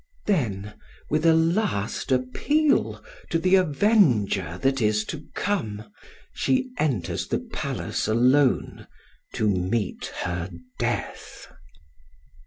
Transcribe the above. Then, with a last appeal to the avenger that is to come, she enters the palace alone to meet her death.